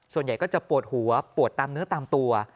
ส่วนใหญ่ก็จะปวดหัวปวดตามเนื้อตามตัว